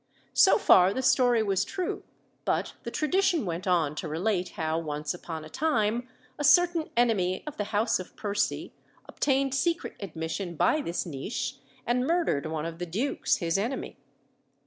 So far the story was true; but the tradition went on to relate how, once upon a time, a certain enemy of the house of Percy obtained secret admission by this niche and murdered one of the dukes, his enemy.